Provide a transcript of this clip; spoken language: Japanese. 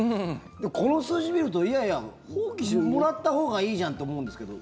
でもこの数字見るといやいや、もらったほうがいいじゃんって思うんですけど。